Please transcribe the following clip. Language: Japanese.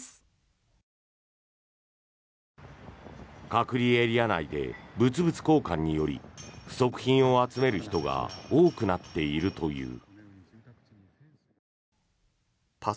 隔離エリア内で物々交換により不足品を集める人が多くなっているという。